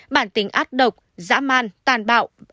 bản tính ác độc dã man tàn bạo